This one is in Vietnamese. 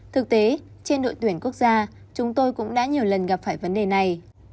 thực tế trên đội tuyển quốc gia chúng tôi cũng đã nhiều lần gặp phải vấn đề này